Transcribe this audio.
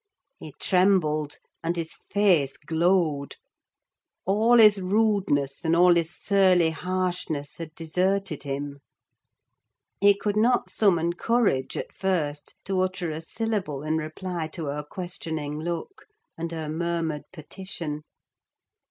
He trembled, and his face glowed: all his rudeness and all his surly harshness had deserted him: he could not summon courage, at first, to utter a syllable in reply to her questioning look, and her murmured petition.